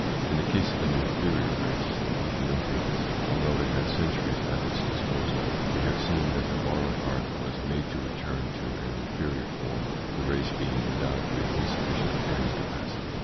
In the case of an inferior race, the /Ethiopians, although it had centuries at its disposal, we have seen that the borrowed art was made to return to an inferior form, the race being endowed with insufficient brain capacity.